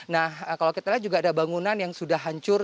nah kalau kita lihat juga ada bangunan yang sudah hancur